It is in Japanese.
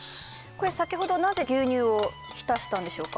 これ先ほどなぜ牛乳を浸したんでしょうか？